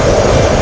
itu udah gila